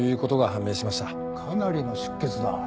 かなりの出血だ。